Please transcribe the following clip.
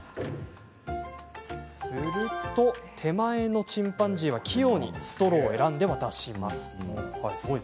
すると手前のチンパンジーは器用にストローを選んで渡します。